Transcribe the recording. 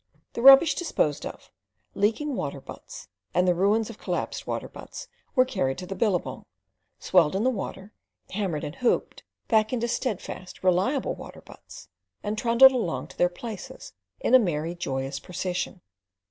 The rubbish disposed of, leaking water butts, and the ruins of collapsed water butts, were carried to the billabong, swelled in the water, hammered and hooped back into steadfast, reliable water butts, and trundled along to their places in a merry, joyous procession.